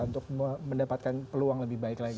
untuk mendapatkan peluang lebih baik lagi